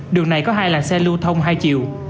đường này có hai làn xe lưu thông hai chiều